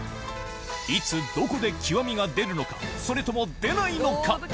いつどこで極が出るのかそれとも出ないのか？